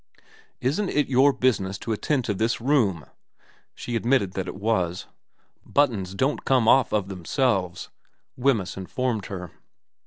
* Isn't it your business to attend to this room ?* She admitted that it was. ' Buttons don't come off of themselves,' Wemyss informed her.